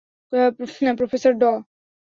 Professor ড।